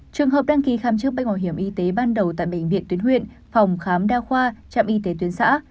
trường hợp đăng ký khám chữa bệnh bảo hiểm y tế ban đầu tại bệnh viện tuyến huyện phòng khám đa khoa trạm y tế tuyến xã